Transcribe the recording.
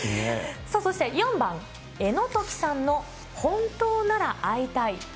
そして４番、江野兎季さんの本当なら会いたい。